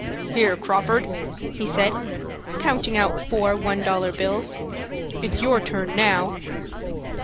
"Here, Crawford," he said, counting out four one dollar bills; "it's your turn now."